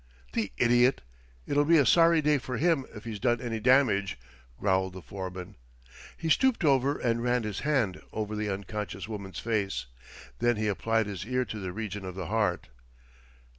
"The idiot! It'll be a sorry day for him if he's done any damage," growled the foreman. He stooped over and ran his hand over the unconscious woman's face. Then he applied his ear to the region of the heart.